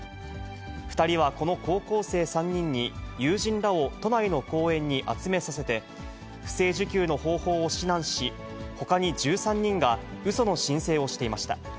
２人はこの高校生３人に、友人らを都内の公園に集めさせて、不正受給の方法を指南し、ほかに１３人がうその申請をしていました。